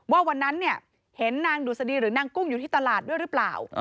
วันนั้นเนี่ยเห็นนางดุษฎีหรือนางกุ้งอยู่ที่ตลาดด้วยหรือเปล่า